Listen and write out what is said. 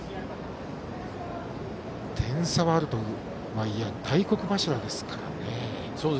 点差はあるといえ大黒柱ですからね。